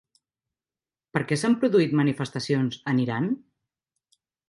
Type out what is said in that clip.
Per què s'han produït manifestacions en Iran?